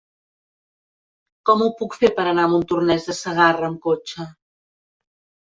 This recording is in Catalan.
Com ho puc fer per anar a Montornès de Segarra amb cotxe?